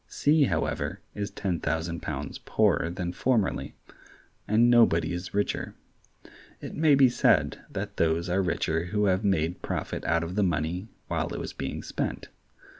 C, however, is ten thousand pounds poorer than formerly; and nobody is richer. It may be said that those are richer who have made profit out of the money while it was being spent.